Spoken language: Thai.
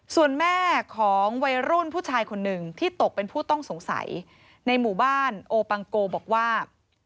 ส่วนแม่ของวัยรุ่นผู้ชายคนหนึ่งที่ตกเป็นผู้ต้องสงสัยในหมู่บ้านโอปังโกบอกว่า